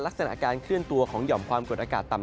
ลักษณะการเคลื่อนตัวของหย่อมความกดอากาศต่ำ